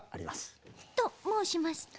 ともうしますと？